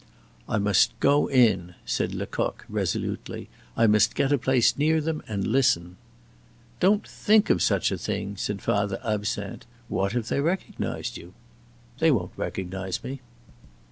"I must go in," said Lecoq, resolutely. "I must get a place near them, and listen." "Don't think of such a thing," said Father Absinthe. "What if they recognized you?" "They won't recognize me."